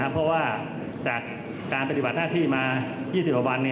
เพราะว่าจากการปฏิบัติหน้าที่มา๒๐กว่าวัน